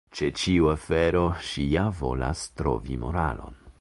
Ĉe ĉiu afero ŝi ja volas trovi moralon.